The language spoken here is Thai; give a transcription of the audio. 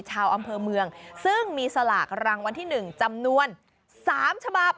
ชาวอำเภอเมืองซึ่งมีสลากรางวัลที่๑จำนวน๓ฉบับ